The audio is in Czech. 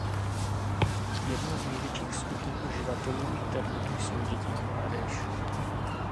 Jednou z největších skupin uživatelů internetu jsou děti a mládež.